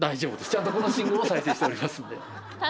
ちゃんとこの信号を再生しておりますので。